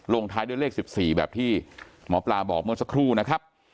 ท้ายด้วยเลข๑๔แบบที่หมอปลาบอกเมื่อสักครู่นะครับ